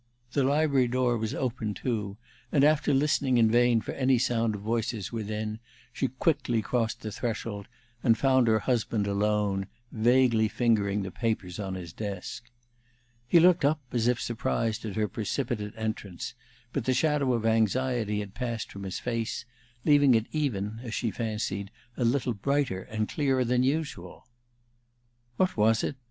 The library door was open, too, and after listening in vain for any sound of voices within, she quickly crossed the threshold, and found her husband alone, vaguely fingering the papers on his desk. He looked up, as if surprised at her precipitate entrance, but the shadow of anxiety had passed from his face, leaving it even, as she fancied, a little brighter and clearer than usual. "What was it?